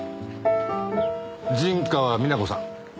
陣川美奈子さん